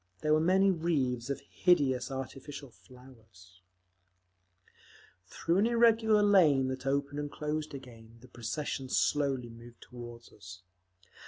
There were many wreaths of hideous artificial flowers…. Through an irregular lane that opened and closed again the procession slowly moved toward us.